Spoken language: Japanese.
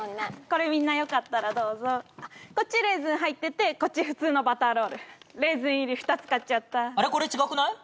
これみんなよかったらどうぞこっちレーズン入っててこっち普通のバターロールレーズン入り２つ買っちゃったあれこれ違くない？